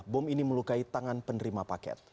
bom ini melukai tangan penerima paket